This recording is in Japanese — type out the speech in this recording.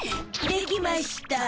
できましゅた。